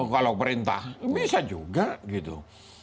kalau perintah bisa juga gitu